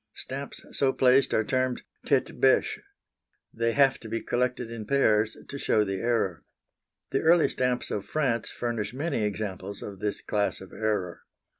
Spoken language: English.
Stamps so placed are termed tête bêche. They have to be collected in pairs to show the error. The early stamps of France furnish many examples of this class of error.